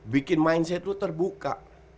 bikin mindset lo terbuka